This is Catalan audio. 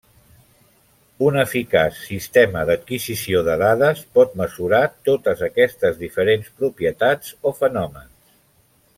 Un eficaç sistema d'adquisició de dades pot mesurar totes aquestes diferents propietats o fenòmens.